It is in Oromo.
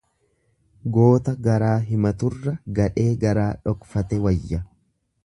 Goota garaa himaturra gadhee garaa dhokfate wayya.